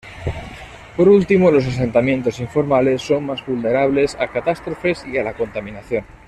Por último; los asentamientos informales son más vulnerables a catástrofes y a la contaminación.